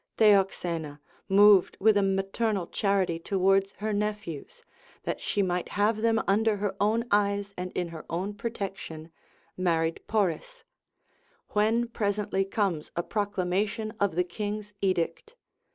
Theoxena, moved with a maternal charity towards her nephews, that she might have them under her own eyes and in her own protection, married Poris: when presently comes a proclamation of the king's edict.